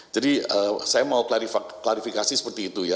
jadi saya mau klarifikasi seperti itu ya